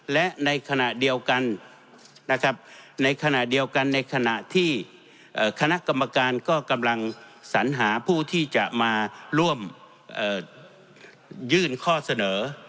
และในขณะเดียวกันในขณะที่คณะกรรมการกำลังสัญหาผู้ที่จะมาร่วมยื่นข้อเสนอ